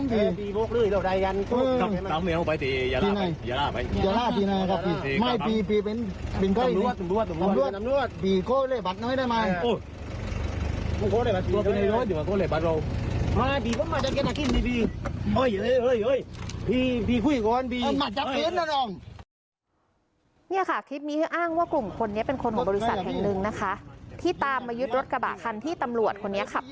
นี่ค่ะคลิปนี้อ้างว่ากลุ่มคนนี้เป็นคนของบริษัทแห่งหนึ่งนะคะที่ตามมายึดรถกระบะคันที่ตำรวจคนนี้ขับ